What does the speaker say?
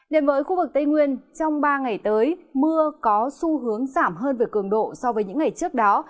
đến với khu vực tây nguyên trong ba ngày tới mưa có xu hướng giảm hơn về cường độ so với những ngày trước đó